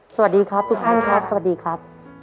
สวัสดีครับทุกคนครับ